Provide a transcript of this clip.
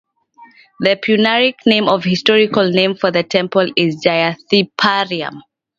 The puranic name or historical name for this temple is Jayanthipuram.